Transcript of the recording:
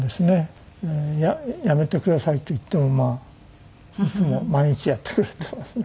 やめてくださいと言ってもいつも毎日やってくれていますね。